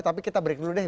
tapi kita break dulu deh